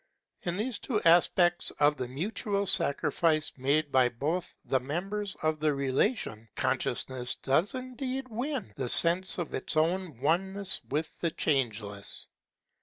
In these two aspects of the mutual sacrifice made by both the members of the relation, Consciousness does indeed win the sense of its own oneness with the Changeless.